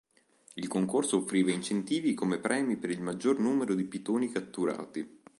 Il concorso offriva incentivi come premi per il maggior numero di pitoni catturati.